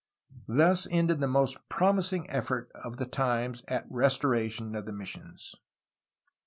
Thus ended the most promising effort of the times at restoration of the missions.